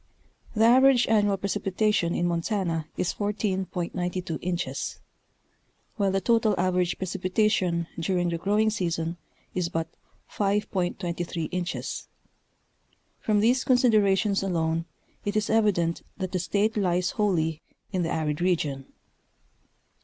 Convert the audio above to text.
The average annual precipitation in Montana is 14.92 inches, while the total average precipitation during the growing season is but 5.23 inches ; from these considerations alone it is evident that the State lies wholly in the arid region.